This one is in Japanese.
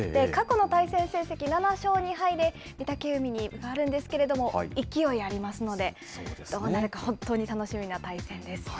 過去の対戦成績、７勝２敗で、御嶽海に分があるんですけれども、勢いありますので、どうなるか、本当に楽しみな対戦です。